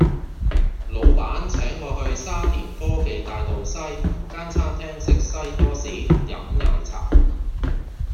老闆請我去沙田科技大道西間餐廳食西多士飲奶茶